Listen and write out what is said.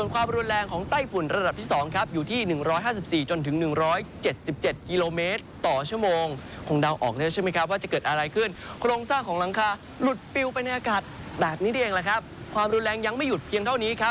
โคลงซอกของหลังคาหลุดปลิวไปใน่ลักษรีอย่างนี้